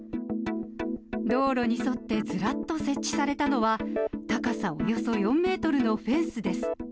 道路に沿ってずらっと設置されたのは、高さおよそ４メートルのフェンスです。